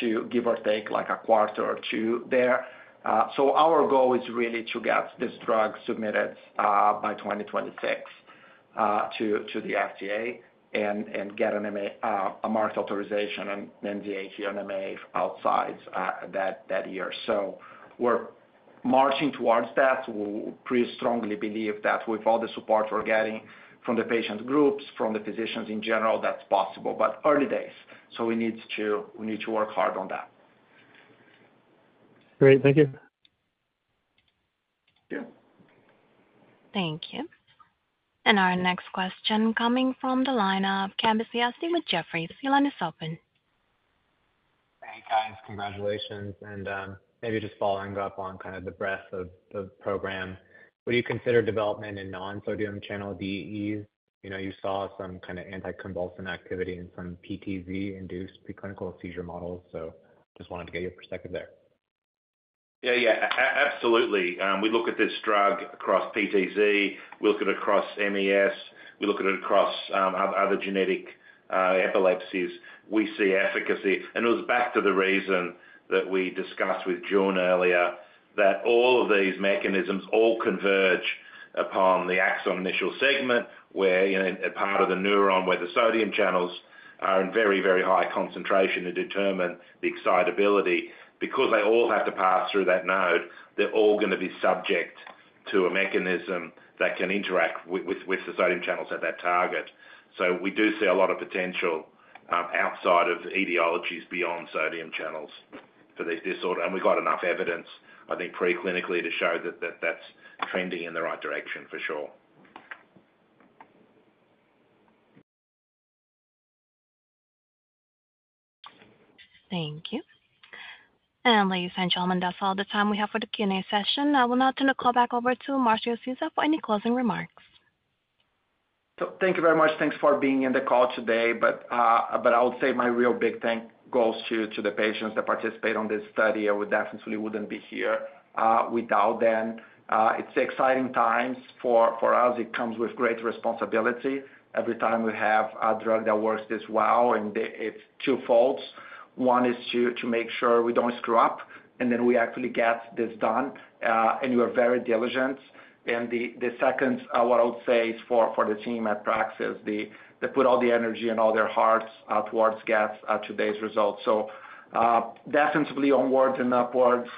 to give or take, like a quarter or two there. So our goal is really to get this drug submitted by 2026 to the FDA and get an MA, a market authorization, an NDA, EMA outside that year. So we're marching towards that. We pretty strongly believe that with all the support we're getting from the patient groups, from the physicians in general, that's possible. But early days, so we need to work hard on that. Great. Thank you. Yeah. Thank you. And our next question coming from the line of Kambiz Yazdi with Jefferies. Your line is open. Hey, guys. Congratulations, and maybe just following up on kind of the breadth of the program. Would you consider development in non-sodium channel DEEs? You know, you saw some kind of anticonvulsant activity in some PTZ-induced preclinical seizure models, so just wanted to get your perspective there. Yeah, yeah, absolutely. We look at this drug across PTZ, we look it across MES, we look at it across other genetic epilepsies. We see efficacy, and it was back to the reason that we discussed with Joon earlier, that all of these mechanisms converge upon the axon initial segment, where, you know, a part of the neuron where the sodium channels are in very, very high concentration to determine the excitability. Because they all have to pass through that node, they're all gonna be subject to a mechanism that can interact with the sodium channels at that target. So we do see a lot of potential outside of etiologies beyond sodium channels for this disorder, and we've got enough evidence, I think, preclinically, to show that that's trending in the right direction, for sure. Thank you, and ladies and gentlemen, that's all the time we have for the Q&A session. I will now turn the call back over to Marcio Souza for any closing remarks. So thank you very much. Thanks for being in the call today, but I would say my real big thanks goes to the patients that participate on this study. I definitely wouldn't be here without them. It's exciting times for us. It comes with great responsibility. Every time we have a drug that works this well, and it's twofold. One is to make sure we don't screw up, and then we actually get this done, and we are very diligent. And the second, what I would say, is for the team at Praxis, they put all the energy and all their hearts towards getting today's results. So definitely onwards and upwards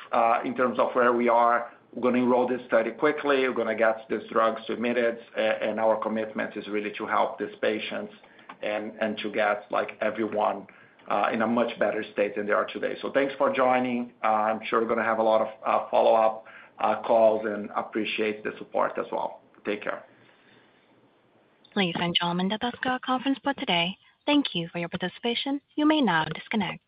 in terms of where we are. We're gonna enroll this study quickly. We're gonna get this drug submitted, and our commitment is really to help these patients and to get, like, everyone in a much better state than they are today. So thanks for joining. I'm sure we're gonna have a lot of follow-up calls, and appreciate the support as well. Take care. Ladies and gentlemen, that ends our conference call today. Thank you for your participation. You may now disconnect.